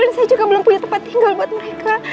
dan saya juga belum punya tempat tinggal buat mereka